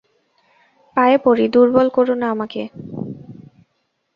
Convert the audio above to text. পায়ে পড়ি, দুর্বল কোরো না আমাকে।